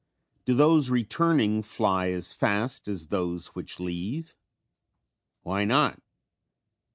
Do those returning fly as fast as those which leave? Why not?